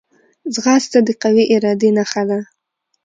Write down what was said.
ځغاسته د قوي ارادې نښه ده